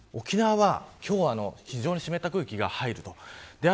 沖縄は、今日は非常に湿った空気が入る。